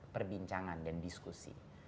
perbincangan dan diskusi